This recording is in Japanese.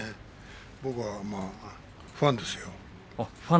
僕はファンですよ。